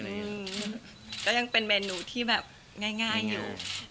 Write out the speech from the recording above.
อืมก็ยังเป็นเมนูที่แบบง่ายอยู่